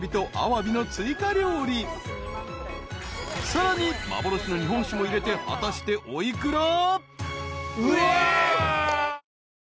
［さらに幻の日本酒も入れて果たしてお幾ら？］